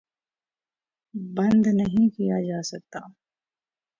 بند نہیں کیا جا سکتا